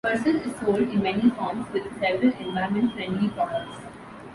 Persil is sold in many forms, with several "environment friendly" products.